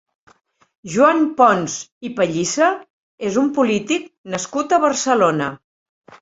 Joan Pons i Pellissa és un polític nascut a Barcelona.